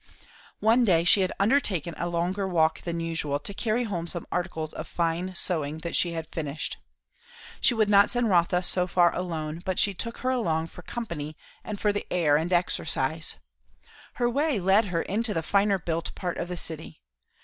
One day she had undertaken a longer walk than usual, to carry home some articles of fine sewing that she had finished. She would not send Rotha so far alone, but she took her along for company and for the air and exercise. Her way led her into the finer built part of the city.